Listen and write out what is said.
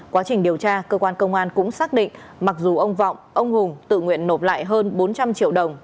quá trình điều tra cơ quan công an cũng xác định mặc dù ông vọng ông hùng tự nguyện nộp lại hơn bốn trăm linh triệu đồng